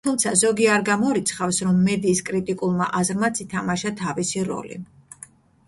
თუმცა ზოგი არ გამორიცხავს რომ მედიის კრიტიკულმა აზრმაც ითამაშა თავისი როლი.